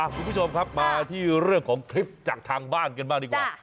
คุณผู้ชมครับมาที่เรื่องของคลิปจากทางบ้านกันบ้างดีกว่า